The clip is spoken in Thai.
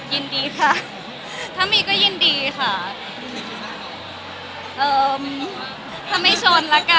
ยินดีค่ะถ้ามีก็ยินดีค่ะเอ่อถ้าไม่ชนละกัน